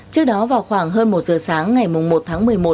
trước đó vào khoảng hơn một giờ sáng ngày một tháng một mươi một